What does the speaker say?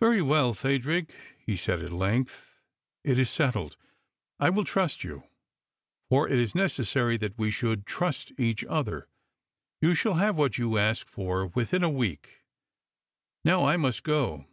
"Very well, Phadrig," he said at length. "It is settled. I will trust you, for it is necessary that we should trust each other. You shall have what you ask for within a week. Now I must go.